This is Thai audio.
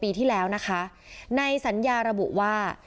ปีที่แล้วนะคะในสัญญาระบุว่า